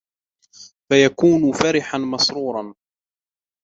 فَيَكُونُ فَرِحًا مَسْرُورًا